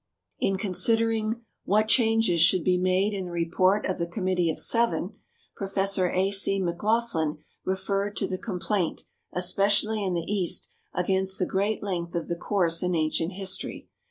In considering "What Changes Should be Made in the Report of the Committee of Seven?" Professor A. C. McLaughlin referred to the complaint, especially in the East, against the great length of the course in ancient history.